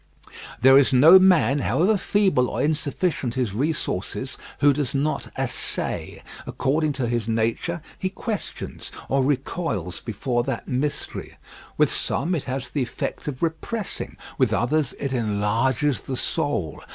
There is no man, however feeble or insufficient his resources, who does not essay. According to his nature he questions or recoils before that mystery. With some it has the effect of repressing; with others it enlarges the soul.